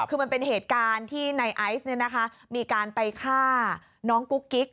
คือมันเป็นเหตุการณ์ที่ในไอซ์มีการไปฆ่าน้องกุ๊กกิ๊ก